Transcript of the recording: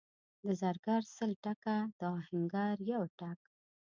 د زرګر سل ټکه، د اهنګر یو ټک.